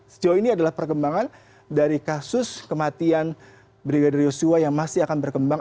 sejauh ini adalah perkembangan dari kasus kematian brigadir yosua yang masih akan berkembang